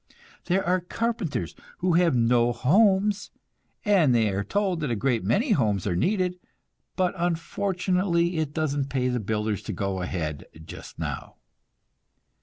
There are carpenters who have no homes, and they are told that a great many homes are needed, but unfortunately it doesn't pay the builders to go ahead just now.